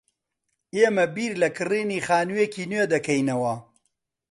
ئێمە بیر لە کڕینی خانوویەکی نوێ دەکەینەوە.